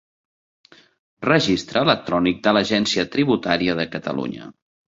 Registre electrònic de l'Agència Tributària de Catalunya.